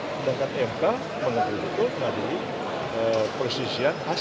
sedangkan mk mengadili proses